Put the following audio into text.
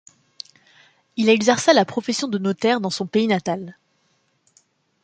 Il exerça la profession de notaire dans son pays natal.